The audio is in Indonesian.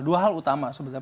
dua hal utama sebenarnya